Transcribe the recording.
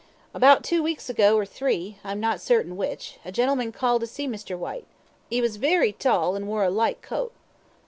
"About two weeks ago, or three, I'm not cert'in which, a gentleman called to see Mr. Whyte; 'e was very tall, and wore a light coat."